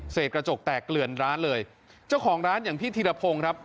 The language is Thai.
กระจกแตกเกลือนร้านเลยเจ้าของร้านอย่างพี่ธีรพงศ์ครับ